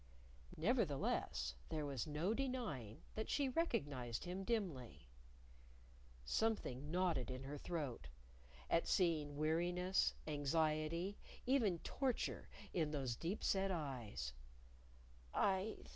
Nevertheless there was no denying that she recognized him dimly. Something knotted in her throat at seeing weariness, anxiety, even torture, in those deep set eyes.